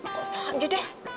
nggak usah aja deh